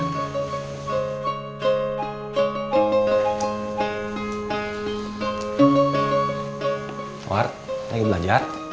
muar lagi belajar